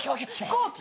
飛行機！？